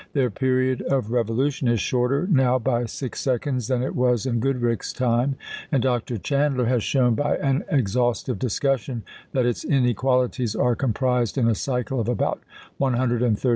Their period of revolution is shorter now by six seconds than it was in Goodricke's time; and Dr. Chandler has shown, by an exhaustive discussion, that its inequalities are comprised in a cycle of about 130 years.